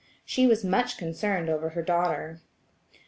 She was much concerned over her daughter.